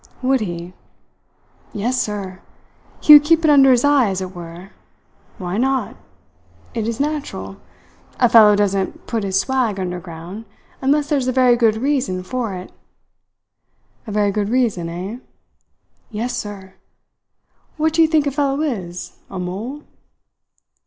"Would he?" "Yes, sir. He would keep it under his eye, as it were. Why not? It is natural. A fellow doesn't put his swag underground, unless there's a very good reason for it." "A very good reason, eh?" "Yes, sir. What do you think a fellow is a mole?"